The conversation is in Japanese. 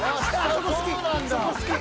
そこ好き。